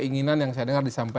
lingkaran satu ya dpp satu